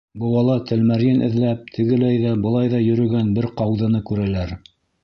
Быуала тәлмәрйен эҙләп, тегеләй ҙә, былай ҙа йөрөгән бер ҡауҙыны күрәләр.